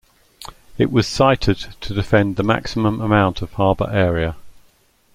It was sited to defend the maximum amount of harbor area.